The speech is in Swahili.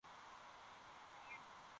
Mkebe wake umetoboka.